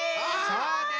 そうです！